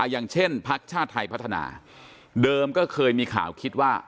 อย่างเช่นพักชาติไทยพัฒนาเดิมก็เคยมีข่าวคิดว่า